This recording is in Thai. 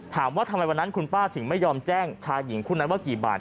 ถามว่าทำไมวันนั้นคุณป้าถึงไม่ยอมแจ้งชายหญิงคู่นั้นว่ากี่บาท